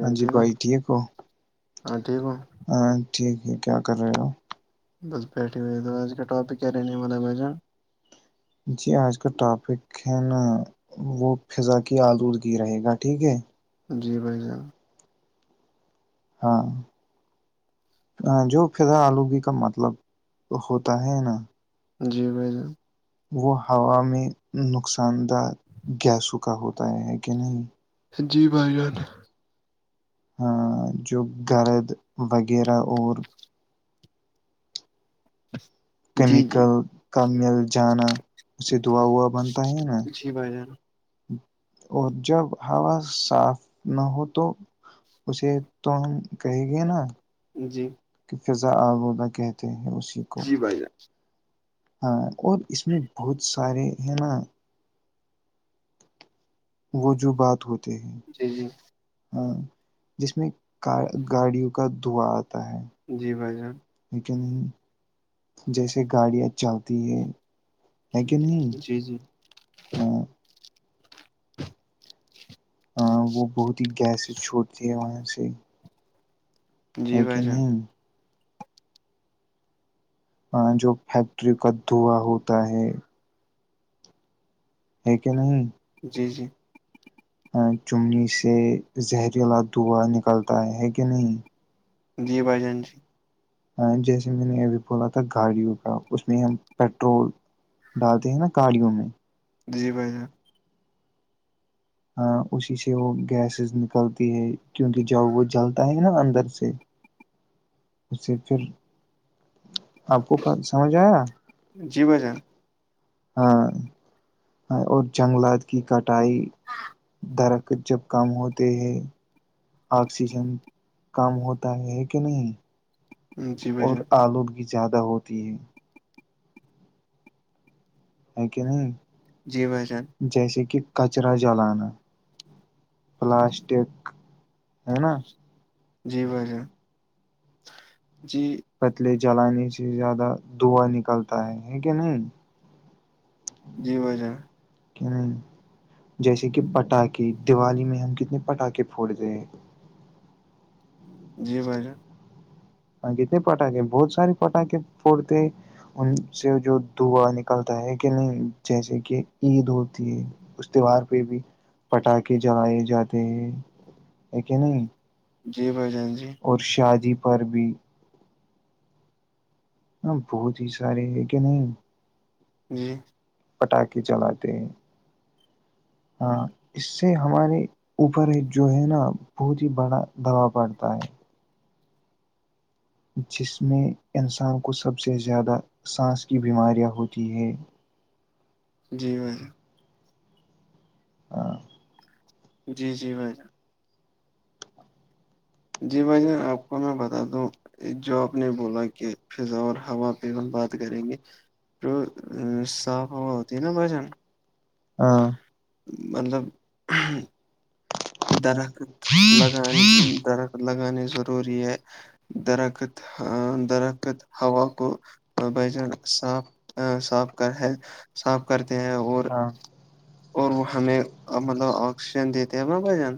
ہاں جی بھائی ٹھیک ہو ہاں ٹھیک ہے کیا کر رہے ہو بس بیٹھے ہوئے ہیں تو آج کا ٹاپک کیا رہنے والا بھ جان جی آج کا ٹاپک ہے نا وہ فضا کی آلودگی رہے گا ٹھیک ہے جی بھائی جان ہاں ہاں جو فضا آلودگی کا مطلب ہوتا ہے نا جی بھ وہ ہوا میں نقصان دہ گیسوں کا ہوتا ہے کہ نہیں جی بھائی جان ہاں جو گرد وغیرہ اور اس [inaudible] کیمیکل کا مل جانا اس سے دوا ہوا بنتا ہے نا اور جب ہا صاف نہ ہو تو [unintelligible] اسے تو ہم کہیں گے نا کہ فضا آ ہوگا کہتے ہیں اسی کو [unintelligible] ہاں اور اس میں بہت سارے ہے نا وہ جو بات ہوتے ہیں ہاں جس میں گاڑیوں کا دھواں آتا ہے لیکن جیسے گاڑیاں چلتی ہے ہے کہ نہیں [unintelligible] وہ بہت ہی گیسز چھوٹتی ہے وہاں سے جی بھائی جان جو فیکٹری کا دھواں ہوتا ہے ہے جی جی چمنی سے زہریلا دا نکلتا ہے کہ نہیں ہاں جیسے میں نے ابھی بولا تھا گاڑیوں کا اس میں ہم پیٹرول ڈالتے ہیں نا گڑیوں میں ہ اسی سے وہ گیسز نکلتی ہے کیونکہ جب وہ جلتا ہے نا اندر سے اس سے پھر آپ کو سمجھ آیا ہاں اور جنگلات کی کٹائی درخت جب کم ہوتے ہے آکسیجن کم ہوتا ہے کہ نہیں اور آلودگی زیادہ ہوتی ہے [unintelligible] ہے کہ نہیں جیسے کہ کچرا جلانا پلاسٹک ہے نا جی ب جی پتلے جلانے سے زیادہ دھوا نکلتا ہے ہے کیا نہیں جی ب جیں جیسے کہ پٹاخے دیوالی میں ہم کتنے پٹا کےے پھوڑ دیں جی بھائی جان ہاں کتنے پٹاخے بہت سارے پٹاخے پھڑتے ان سے جو دعا نکلتا ہے کہ نہیں جیسے کہ عید ہوتی ہے اس تہوار پہ بھی پٹاخے جلائے جاتے ہیں ہے کہ نہیں جی بھ جان جی پررب [unintelligible] ہاں بہت ہی سارے ہے کہ نہیں پٹاخے چلاتے ہیں ہاں اس سے ہمارے اوپر جو ہے نا [unintelligible] بھوج ہی بڑا دوا پڑتا ہے جس میں انسان کو سب سے زیادہ سانس کی بیماریاں ہوتی ہے جی میںی جی جی وھ جان جی بھائی آپ کو میں بتا دوں جو آپ نے بولا کہ فضا اور ہوا پہ ہم بات کریں گے صفا ہوتی ن بسن مطلب درخت لگان درخت لگانے ضروری ہے درخت درخت ہوا کو ب صاف صاف کر ہے صاف کرتے ہیں اور اور وہ ہمیں مطلب آکسیجن دیتے ہیں نا بھجن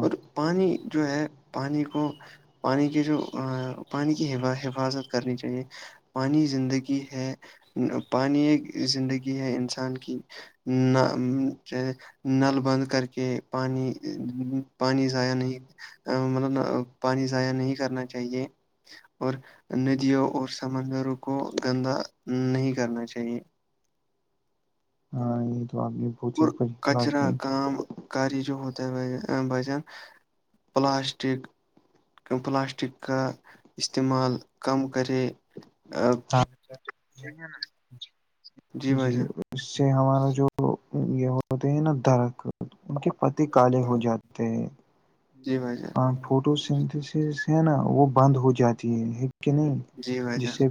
اور پانی جو ہے پانی کو پانی کی جو پانی کی حفاظت کرنی چاہیے پانی زندگی ہے پانی ایک زندگی ہے انسان کی چاہے نل بند کر کے کہ پانی پانی زضیاہ نہیں ا مطلب پانی ضاع نہیں کرنا چاہیے اور ندیوں اور سمندروں کو گندا نہیں کرنا چاہیے ہاں یہ تو آپ بھی اور کچرا کام کاری جو ہوتا ہے بجن پلاسٹک پلاسٹک کا استعمال کم کرے ج جی بھائی جان اس سے ہمارا جو یہ ہوتے ہیں نا درخت ان کے اتی کالے ہو جاتے ہیں ہ فوٹو سنسس ہے نا وہ بند ہو جاتی ہے کہ نہیں جس سے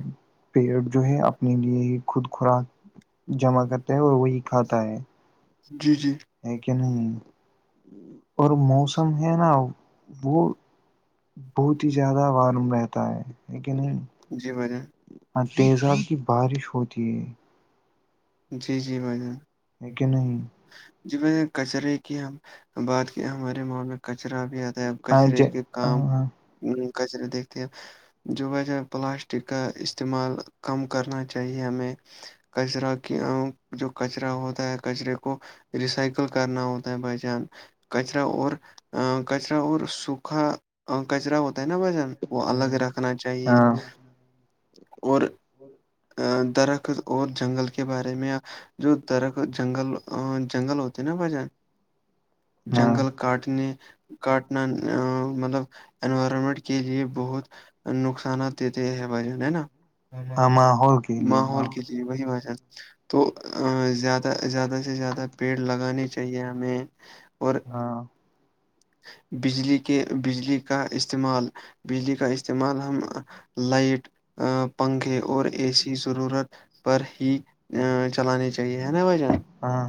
پیڑ جو ہے اپنے لیے ہی خود خوراک جمع کرتا ہے اور وہی کھاتا ہے جی جی لیکن اور موسم ہے نا وہ بہت ہی زیادہ واروم رہتا ہے لیک نہیں جی بلییں تیزاب کی بارش ہوتی ہے جی جی بھائی جان جی میں نے کچرے کی ہم بات کیا ہمارے ماں کچرا بھی آتا ہے کچرے کے کام کچرے دیکھتے ہیں جو وجہ پلاسٹک کا استعمال کم کرنا چاہیے ہمیں کذرا جو کچرا ہوتا ہے کچرے کو ریسائکل کرنا ہوتا ہے بائی جان کچرا اور کچرا اور سوکھا کچرا ہوتا ہے نا بجن کو الگ رکھنا چاہیے اور درخت اور جنگل کے کے بارے میں جو درخ جنگل جنگل ہوتے نا بھجن جنگل کاٹن کاٹنا مطلب انوارمنٹ کے لئے بہت نقصانات دیتے ہے بھائی جن ہے نا اور کہ لیےا جی وہی با تو زیادہ زیادہ سے زیادہ پیڑ لگانے چاہیے ہمیں اور ہاں بجلی کے بجلی کا استعمال بجلی کا استعمال ہم لائٹ ا پنکھے اور ایسی ضرورت پر ہی ا چلانی چاہیے ہے نا بھائی جان ہاں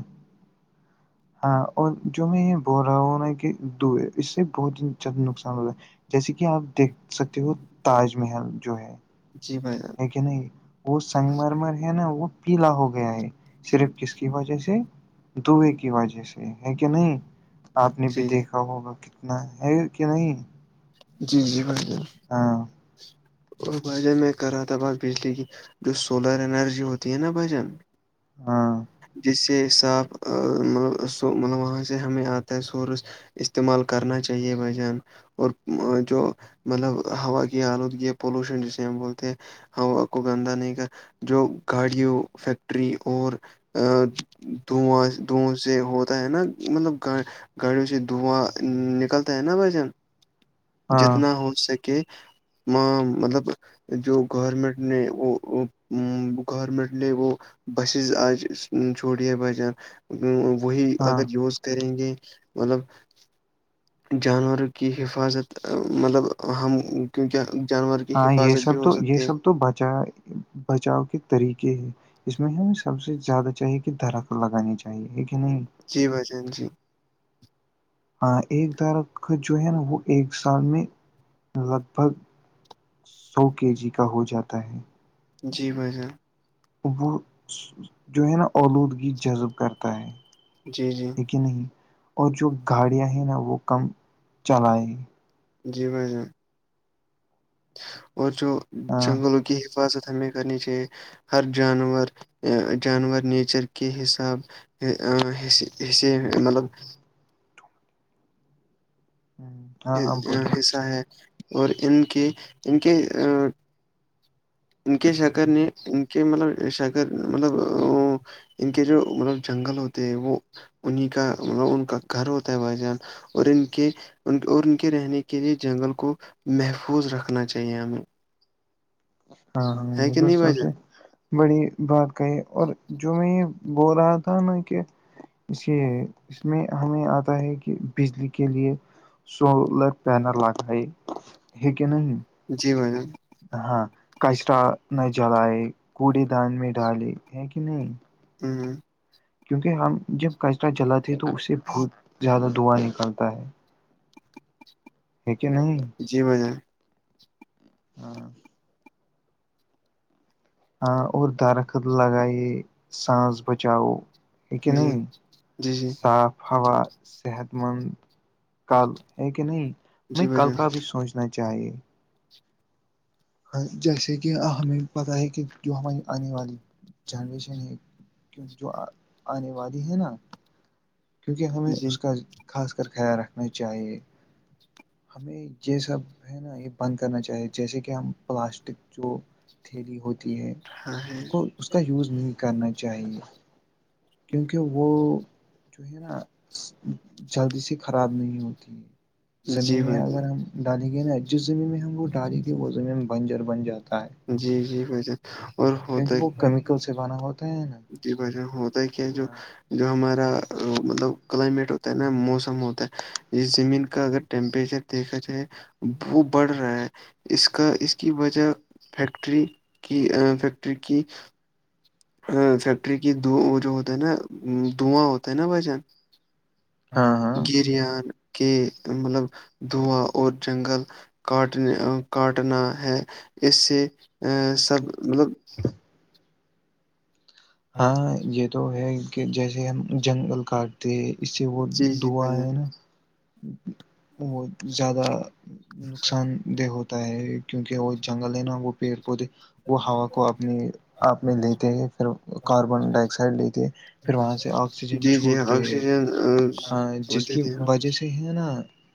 ہاں اور جو میں یہ بول رہا ہوں نا کہ اس سے بہت ہی زیادہ نقصان ہوتا ہے جیسے کہ آپ دیکھ سکتے ہو تاج محل جو ہے جی بھائی کہ نہیں وہ سنگ مرمر ہے نا وہ پیلا ہو گیا ہے صرف کس کی وجہ سے دئے کی وجہ سے ہے کہ نہیں آپ نے بھی دیکھا ہوگا کتنا ہے کہ نہیں جی جی بالکل اور بھائیجان میں کر رہا تھا بس بجلی کی جو سولر انرجی ہوتی ہے نا بھجان جیسے کہ صافب مطلب وہاں سے ہمیں آتا ہے سورس استعمال کرنا چاہیے بھائی جان اور جو مطلب ہوا کی آلودگی ہے پولوشن جسے ہم بولتے ہیں ہ آ کو گندا نہیں کا جو گاڑیوں فیکٹری اور ا دھواں دواں سے ہوتا ہے نا مطلب گ گاڑیوں سے دھواں نکل ہے نا بھجن جتنا ہو سکے مطلب جو گورنمنٹ نے وہ گورنمنٹ نے وہ بچز آج چوٹی بجان وہی اگر یوز کریں گے مطلب جانوروں کی حفاظت مطلب ہم کیونکہ ہاں یہ سب تو یہ سب تو بچا بچاؤ کے طریقے ہے اس میں ہمیں سب سے زیادہ چاہیے کہ درت تو لگانی چاہیے کہ نہیں جی بجن جی ہاں ایک درخ کا جو ہے نا وہ ایک سال میں لگ بھگ سو کے جی کا ہو جاتا ہے جی بھائی جان وہ جو ہے نا اولودگی جذب کرتا ہے یک نہیں اور جو گاڑیاں ہیں نا وہ کم جی میں ج اور جو جنگلوں کی حفاظت ہمیں کرنی چاہیے ہر جانور جانور نیچر کے حساب ح اسے مطلب ہوں حصہ ہے اور ان کے ان کے ان کے شکر نے ان کے مطلب شکر مطلب ان کے جو مطلب جنگل ہوتے ہیں وہ انہیں کا مطب ان کا گھر ہوتا ہے بازان اور ان کے ان اور ان کے رہنے کے لیے جنگل کو محفوظ رکھنا چاہیے ہمیں ہاں یہ تو سب سے بڑی بات کہی اور جو میں یہ بول رہا تھا نا کہ اسے اس میں ہمیں آتا ہے کہ بجلی کے لیے سولر پینل لگائے ہےیک نہیں جی بھ جان ہاں کچرا نہ جلائے کوڑے دان میں ڈالے ہے کہ نہیں ہوں کیونکہ ہم جب کچرا جلاتے ہیں تو اس سے بہت زیادہ دعا نکلتا ہے [inaudible] ہے کہ نہیں جی میں ج ہاں ہاں اور درخت لگے سانس بچاؤ یکن نہیں صاف ہا صحت مند کل ہے کہ نہیں میں کل کا بھی سوچنا چاہیے جیسے کہ ہمیں پتاہ ہے کہ جو ہماری آنے والی جنریشن ہے کیونک جو آنے والی ہے نا کیونکہ ہمیں اس کا خاص کر خیال رکھنا چاہیے ہمیں یہ سب ہے نا یہ بند کرنا چاہیے جیسے کہ ہم پلاسٹک جو تھیلی ہوتی ہے اس کو اس کا یوز نہیں کرنا چاہیے کیونکہ وہ جو ہے نا جلدی سے خراب نہیں ہوتی ہیں زمین میں اگر ہم ڈالی گئے ن جس زمین میں ہم وہ ڈالی گ وہ زمین بنجر بن جاتا ہے جی جی وی ج اور ہوتا ہے ب ہوتا ہے کیا جو جو ہمارا مطلب کلائمیٹ ہوتا ہے نا موسم ہوتا ہے اس زمین کا اگر ٹیمپریچر دیکھا جائے وہ بڑھ رہا ہے اس کا اس کی وجہ فیکٹری کی فیکٹری کی ہاں فیکٹری کی د وہ جو ہوتا ہے نا دھواں ہوتا ہے نا بھ جان ہ گریان کے مطلب دعوا اور جنگل کاٹنے کاٹنا ہے اس سے ا سب مطلب ہاں یہ تو ہے کہ جیسے ہم جنگل کاٹتے اس سے وہ دعا ہےئے نا وہ زیادہ نقصان د ہوتا ہے کیونکہ وہ جنگل ہے نا وہ پیڑ پودے وہ ہوا کو اپنی آپ م لیتے پھر بن ڈائی آکسائڈ لیتے پھر وہاں سے آکسیجن چھوڑتے جس کی وجہ سے ہیں نا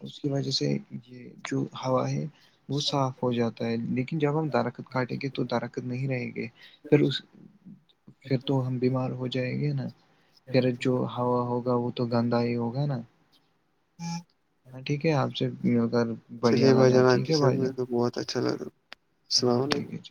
اس کی وجہ سے یہ جو ہوا ہے وہ صاف ہو جاتا لیکن جب ہم دارخت کاٹیں گے تو دارخت نہیں رہیں گے پھر پھر تو ہم بیمار ہو جائیں گے نا پھر جو ہوا ہوگا وہ تو گندا ہی ہوگا نا ہاں ٹھیک ہے آپ سے مل کر بڑھیا لگا ٹھیک ہے بھائی جان بہت اچھا لگا ہاں ٹھیکچ